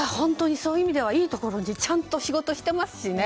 そういう意味ではいいところでちゃんと仕事していますしね。